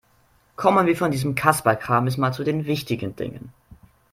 Kommen wir von diesem Kasperkram jetzt mal zu den wichtigen Dingen.